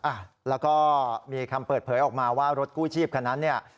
อ่ะแล้วก็มีคำเปิดเผยออกมาว่ารถกู้ชีพคันนั้นเนี่ย